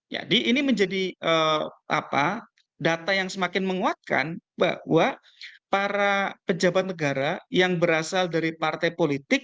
jadi ini menjadi data yang semakin menguatkan bahwa para pejabat negara yang berasal dari partai politik